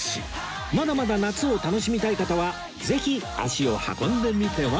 まだまだ夏を楽しみたい方はぜひ足を運んでみては？